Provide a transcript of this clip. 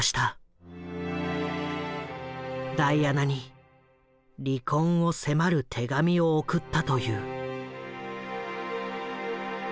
ダイアナに離婚を迫る手紙を送ったという。